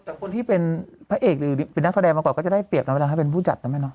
แต่คนที่เป็นพระเอกหรือเป็นนักแสดงมาก่อนก็จะได้เปรียบนะเวลาถ้าเป็นผู้จัดนะแม่เนอ